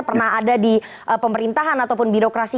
pernah ada di pemerintahan ataupun birokrasi